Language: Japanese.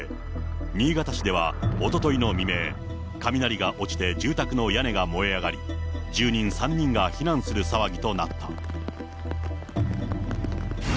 新潟市では、おとといの未明、雷が落ちて住宅の屋根が燃え上がり、住人３人が避難する騒ぎとなった。